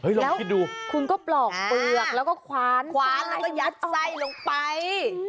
ลองคิดดูคุณก็ปลอกเปลือกแล้วก็คว้านแล้วก็ยัดไส้ลงไป